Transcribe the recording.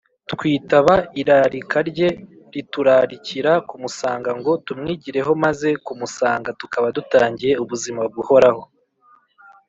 twitaba irarika rye riturarikira kumusanga ngo tumwigireho maze mu kumusanga tukaba dutangiye ubuzima buhoraho